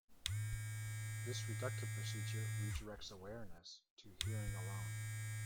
This reductive procedure redirects awareness to hearing alone.